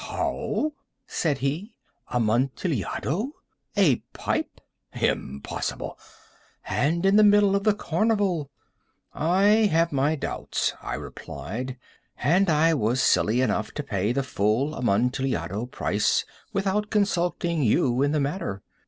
"How?" said he. "Amontillado? A pipe? Impossible! And in the middle of the carnival!" "I have my doubts," I replied; "and I was silly enough to pay the full Amontillado price without consulting you in the matter.